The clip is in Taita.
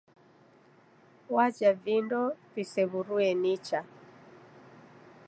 Waja vindo visew'urue nicha